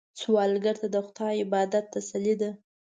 سوالګر ته د خدای عبادت تسلي ده